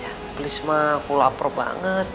ya please mah aku lapar banget